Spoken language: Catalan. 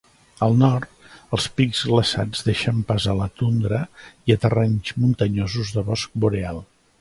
Al nord, els pics glaçats deixen pas a la tundra i a terrenys muntanyosos de bosc boreal.